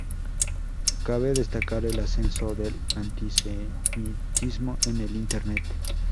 Cabe destacar el ascenso del antisemitismo en el internet.